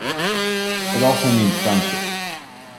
It also means friendship.